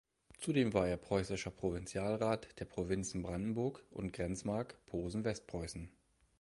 Zudem war er Preußischer Provinzialrat der Provinzen Brandenburg und Grenzmark Posen-Westpreußen.